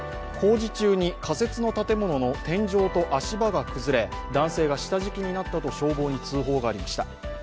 工事中に仮設の建物の天井と足場が崩れ男性が下敷きになったと消防に通報がありました。